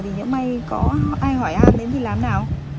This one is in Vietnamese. thì nhỡ may có ai hỏi anh đến thì làm thế nào